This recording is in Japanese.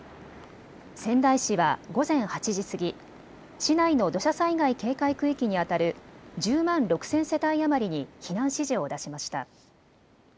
仙台市は午前８時過ぎ、市内の土砂災害警戒区域にあたる１０万６０００世帯余りに避難指示を出しました。